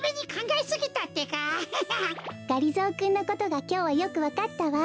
がりぞーくんのことがきょうはよくわかったわ。